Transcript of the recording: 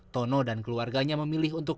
tono dan keluarganya memilih untuk